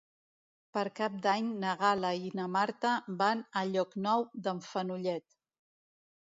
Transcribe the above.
Per Cap d'Any na Gal·la i na Marta van a Llocnou d'en Fenollet.